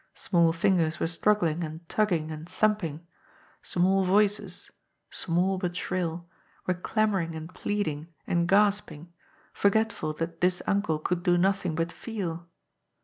Small fingers were struggling and tugging and thumping. Small voices — small but shrill — ^were clamouring and pleading and gasp ing, forgetful that this uncle could do nothing but feel